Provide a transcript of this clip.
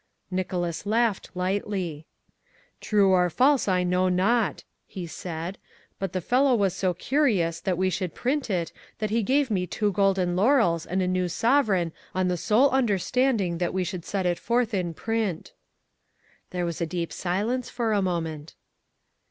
Nicholas laughed lightly. "True or false, I know not," he said, "but the fellow was so curious that we should print it that he gave me two golden laurels and a new sovereign on the sole understanding that we should set it forth in print." There was deep silence for a moment.